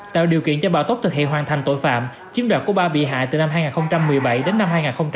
tạo điều kiện cho bà tốt thực hệ hoàn thành tội phạm chiếm đoạt của ba bị hại từ năm hai nghìn một mươi bảy đến năm hai nghìn hai mươi